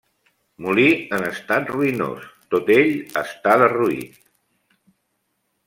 Molí en estat ruïnós; tot ell està derruït.